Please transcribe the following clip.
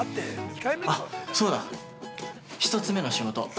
あっ、そうだ、１つ目の仕事。